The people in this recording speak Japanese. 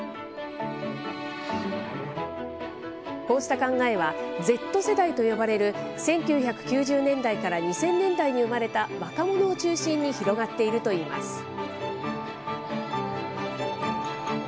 こうした考えは、Ｚ世代と呼ばれる１９９０年代から２０００年代に生まれた、若者を中心に広がっているといいます。